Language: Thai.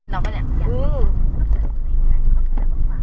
งึกก็เฝ้า